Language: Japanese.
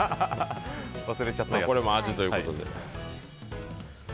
これも味ということで。